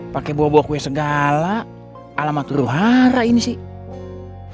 pakai bawa bawa kue segala alamat ruhara ini sih